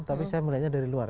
tapi saya melihatnya dari luar